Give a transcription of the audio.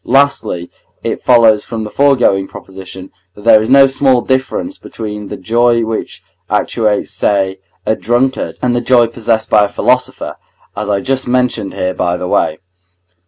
Lastly, it follows from the foregoing proposition, that there is no small difference between the joy which actuates, say, a drunkard, and the joy possessed by a philosopher, as I just mention here by the way.